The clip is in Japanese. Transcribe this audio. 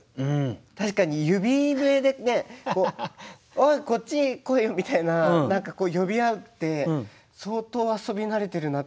確かに指笛でね「おいこっち来いよ」みたいな呼び合うって相当遊び慣れてるなって。